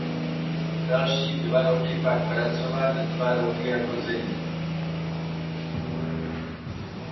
Další dva roky pak pracoval dva roky jako zedník.